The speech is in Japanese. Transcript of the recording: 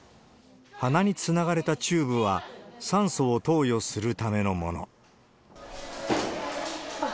鼻につながれたチューブは、酸素を投与するためのもの。